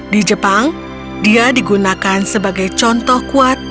di jepang dia digunakan sebagai contoh kuat